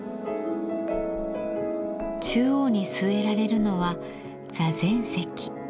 中央に据えられるのは座禅石。